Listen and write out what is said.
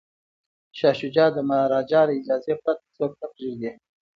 شاه شجاع د مهاراجا له اجازې پرته څوک نه پریږدي.